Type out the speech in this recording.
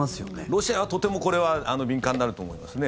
ロシアはとてもこれは敏感になると思いますね。